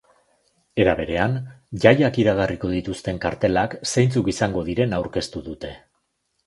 Era berean, jaiak iragarriko dituzten kartelak zeintzuk izango diren aurkeztu dituzte.